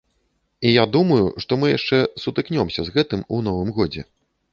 І я думаю, што мы яшчэ сутыкнёмся з гэтым у новым годзе.